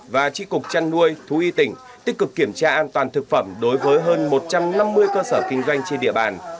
và trị cục chăn nuôi thú y tỉnh tích cực kiểm tra an toàn thực phẩm đối với hơn một trăm năm mươi cơ sở kinh doanh trên địa bàn